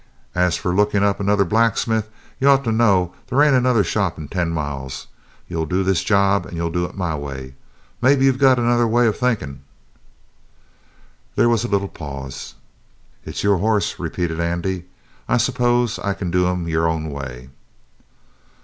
As for lookin' up another blacksmith, you ought to know they ain't another shop in ten miles. You'll do this job, and you'll do it my way. Maybe you got another way of thinkin'?" There was a little pause. "It's your horse," repeated Andy. "I suppose I can do him your own way."